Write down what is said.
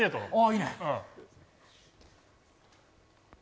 いいね！